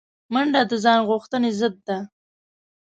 منډه د ځان غوښتنې ضد ده